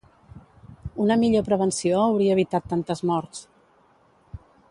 Una millor prevenció hauria evitat tantes morts.